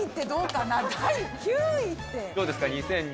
どうですか？